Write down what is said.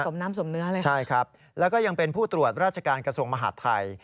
สมน้ำสมเนื้อเลยนะใช่ครับแล้วก็ยังเป็นผู้ตรวจราชการกระทรวงมหาดไทย